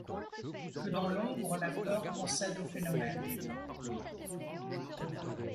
Que dans l’ombre la peur concède au phénomène